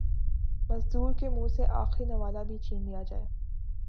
مزدور کے منہ سے آخری نوالہ بھی چھین لیا جائے